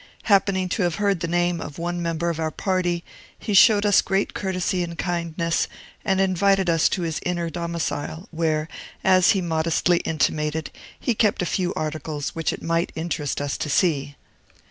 Happening to have heard the name of one member of our party, he showed us great courtesy and kindness, and invited us into his inner domicile, where, as he modestly intimated, he kept a few articles which it might interest us to see.